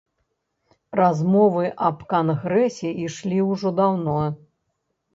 Размовы аб кангрэсе ішлі ўжо даўно.